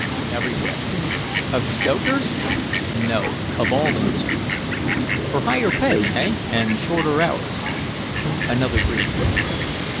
"Everywhere." "Of stokers?" "No, of all industries." "For higher pay, eh, and shorter hours." Another brief look.